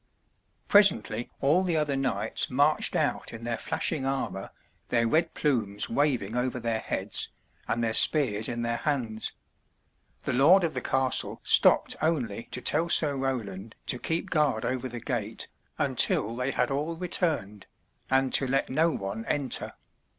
Presently all the other knights marched out in their flashing armor, their red plumes waving over their heads, and their spears in their hands. The lord of the castle stopped only to tell Sir Roland to keep guard over the gate until they had all returned, and to let no one enter.